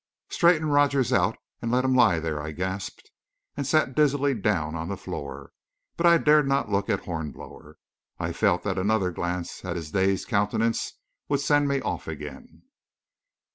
"Straighten Rogers out and let him lie there," I gasped, and sat dizzily down upon the floor. But I dared not look at Hornblower. I felt that another glance at his dazed countenance would send me off again.